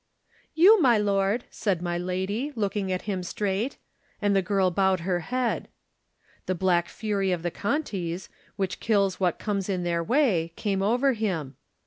"*You, my lord,' said my lady, looking at him straight. And the girl bowed her head. "The black fury of the Contis, which kills what comes in their way, came over him.